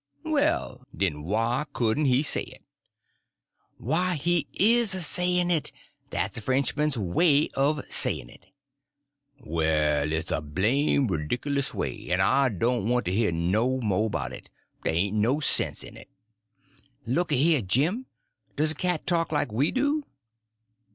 "Well, den, why couldn't he say it?" "Why, he is a saying it. That's a Frenchman's way of saying it." "Well, it's a blame ridicklous way, en I doan' want to hear no mo' 'bout it. Dey ain' no sense in it." "Looky here, Jim; does a cat talk like we do?"